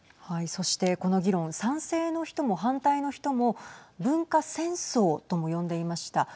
そして、この議論賛成の人も反対の人も文化戦争とも呼んでいました。